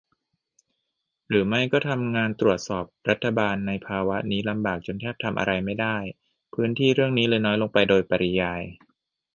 หรือไม่ก็ทำงานตรวจสอบรัฐบาลในภาวะนี้ลำบากจนแทบทำอะไรไม่ได้ พื้นที่เรื่องนี้เลยน้อยลงไปโดยปริยาย ?